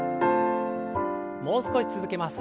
もう少し続けます。